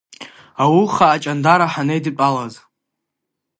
Ауха Аҷандара ҳанеидтәалаз.